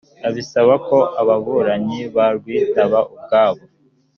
abisaba ko ababuranyi barwitaba ubwabo